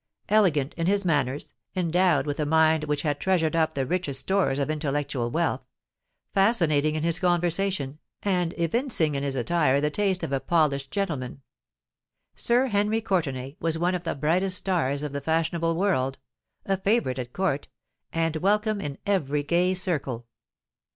Elegant in his manners—endowed with a mind which had treasured up the richest stores of intellectual wealth—fascinating in his conversation—and evincing in his attire the taste of a polished gentleman, Sir Henry Courtenay was one of the brightest stars of the fashionable world—a favourite at Court—and welcome in every gay circle.